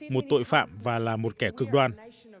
một tội phạm và là một kẻ cực đoàn